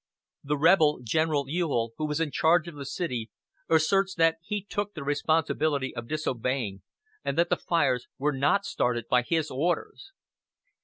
The rebel General Ewell, who was in charge of the city, asserts that he took the responsibility of disobeying, and that the fires were not started by his orders.